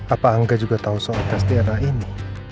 apa angga juga tau soal tes dna ini